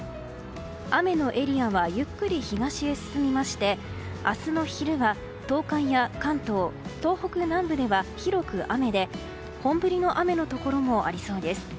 雨のエリアはゆっくり東に進みまして明日の昼は東海や関東、東北南部では広く雨で、本降りの雨のところもありそうです。